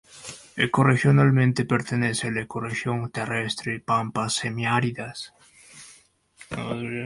Ecorregionalmente pertenece a la ecorregión terrestre pampas semiáridas.